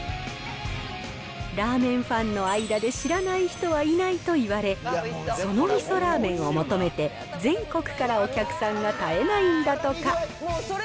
ラーメンファンの間で知らない人はいないといわれ、その味噌ラーメンを求めて、全国からお客さんが絶えないんだとか。